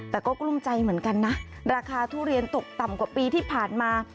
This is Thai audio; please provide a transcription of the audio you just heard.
แต่ก็กลุ้มใจเหมือนกันนะราคาทุเรียนตกต่ำกว่าปีที่ผ่านมา